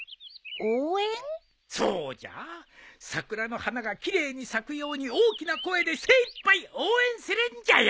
そうじゃ桜の花が奇麗に咲くように大きな声で精いっぱい応援するんじゃよ。